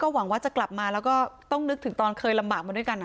หวังว่าจะกลับมาแล้วก็ต้องนึกถึงตอนเคยลำบากมาด้วยกัน